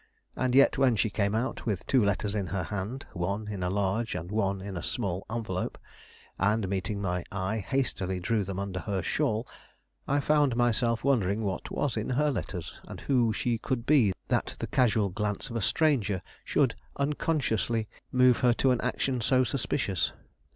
And yet when she came out, with two letters in her hand, one in a large and one in a small envelope, and meeting my eye hastily drew them under her shawl, I found myself wondering what was in her letters and who she could be, that the casual glance of a stranger should unconsciously move her to an action so suspicious.